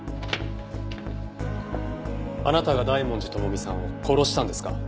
あなたが大文字智美さんを殺したんですか？